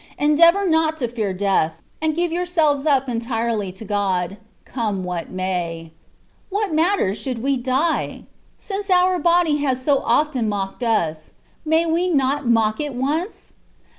Endeavour not to fear death, and give yourselves up entirely to God — come what may. What matter should we die ? Since our body has so often mocked us, may we not mock it once?